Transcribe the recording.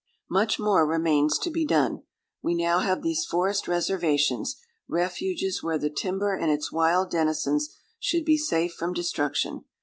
Much more remains to be done. We now have these forest reservations, refuges where the timber and its wild denizens should be safe from destruction.